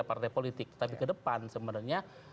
partai politik tapi kedepan sebenarnya